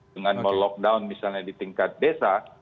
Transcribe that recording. dengan melockdown misalnya di tingkat desa